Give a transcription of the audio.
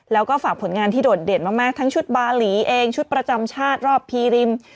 แล้วก็ฝากผลงานที่โดดเด่นมากทั้งชุดบาหลีเองชุดประจำชาติรอบพีริม